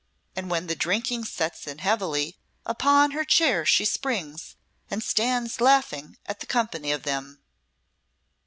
And when the drinking sets in heavily, upon her chair she springs and stands laughing at the company of them.